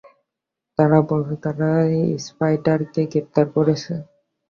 তারা বলছে তারা স্পাইডারকে গ্রেফতার করছে।